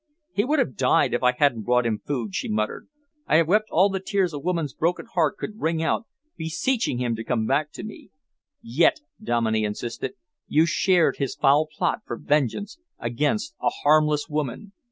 "He would have died if I hadn't brought him food," she muttered. "I have wept all the tears a woman's broken heart could wring out, beseeching him to come back to me." "Yet," Dominey insisted, "you shared his foul plot for vengeance against a harmless woman.